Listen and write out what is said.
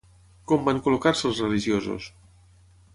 Com van col·locar-se els religiosos?